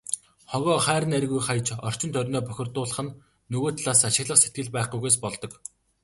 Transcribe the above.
Хогоо хайр найргүй хаяж, орчин тойрноо бохирдуулах нь нөгөө талаас ашиглах сэтгэл байхгүйгээс болдог.